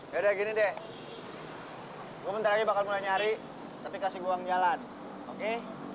ya udah gini deh gue ntar lagi bakal mulai nyari tapi kasih gua uang jalan oke